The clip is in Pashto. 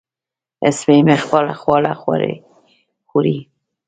سپی مې خپل خواړه خوري.